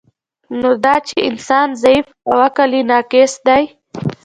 نو دا چی انسان ضعیف او عقل یی ناقص دی